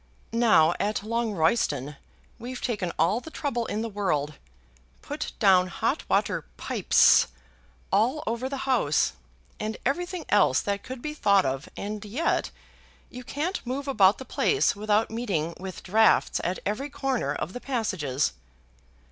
Now at Longroyston we've taken all the trouble in the world, put down hot water pipes all over the house, and everything else that could be thought of, and yet, you can't move about the place without meeting with draughts at every corner of the passages."